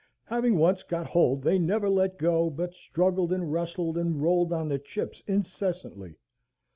Having once got hold they never let go, but struggled and wrestled and rolled on the chips incessantly.